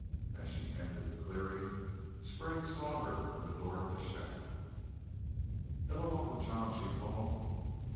As she entered the clearing Sprague saw her from the door of his shack. "Hello, Uncle John!" she called.